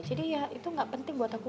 jadi ya itu gak penting buat aku